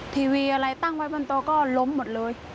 ทีวีอะไรตั้งไว้บนโตก็ล้มหมดเลย